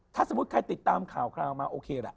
ถ้าสมมุติใครติดตามข่าวมาโอเคล่ะ